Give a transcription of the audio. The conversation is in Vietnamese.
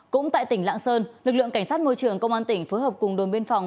cũng tại tỉnh lạng sơn lực lượng cảnh sát môi trường công an tỉnh phối hợp cùng đồn biên phòng